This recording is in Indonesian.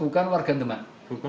bukan warga demak